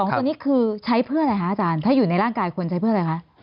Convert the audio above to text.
๒ตัวนี้คือใช้เพื่ออะไรคะอาจารย์ถ้าอยู่ในร่างกายควรใช้เพื่ออะไรคะ